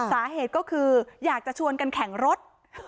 สาเหตุก็คืออยากจะชวนกันแข่งรถ